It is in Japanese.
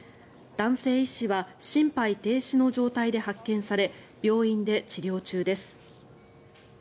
男性医師は心肺停止の状態で発見され病院で治療中です。